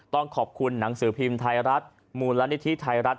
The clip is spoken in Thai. ต้องขอบคุณหนังสือพิมพ์ไทยรัฐมูลนิธิไทยรัฐ